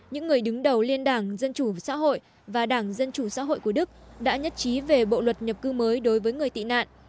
những người đứng đầu liên đảng dân chủ xã hội và đảng dân chủ xã hội của đức đã nhất trí về bộ luật nhập cư mới đối với người tị nạn